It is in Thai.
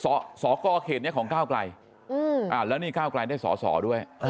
สอสอกรเขตนี้ของเก้ากลัยแล้วนิ่งเก้ากลัยได้สอด้วย